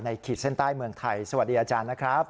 ขีดเส้นใต้เมืองไทยสวัสดีอาจารย์นะครับ